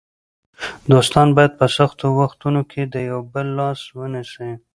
دوستان باید په سختو وختونو کې د یو بل لاس ونیسي.